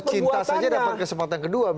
cinta saja dapat kesempatan kedua